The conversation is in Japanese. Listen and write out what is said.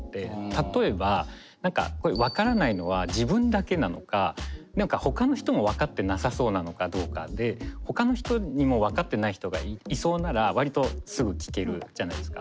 例えば何かこれ分からないのは自分だけなのか何かほかの人も分かってなさそうなのかどうかでほかの人にも分かってない人がいそうなら割とすぐ聞けるじゃないですか。